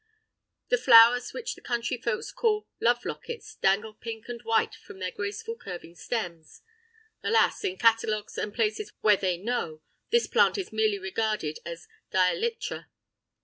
The flowers which the country folks call Love lockets dangle pink and white from their graceful curving stems; (alas, in catalogues and places where they know, this plant is merely regarded as dielytra).